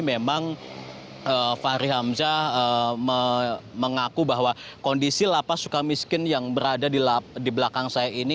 memang fahri hamzah mengaku bahwa kondisi lapas suka miskin yang berada di belakang saya ini